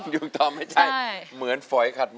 ยุ่งตอมไม่ใช่เหมือนฝอยคาดหม้อ